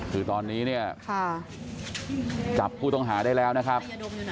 คือตอนนี้เนี่ยจับผู้ต้องหาได้แล้วนะครับ